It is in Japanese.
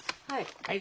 はい？